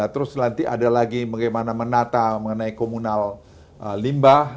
terus nanti ada lagi bagaimana menata mengenai komunal limbah